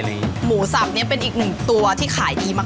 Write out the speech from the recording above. หมูสับเนี่ยเป็นอีกหนึ่งตัวที่ขายดีมาก